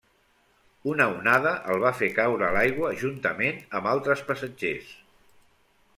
Una onada el va fer caure a l'aigua juntament amb altres passatgers.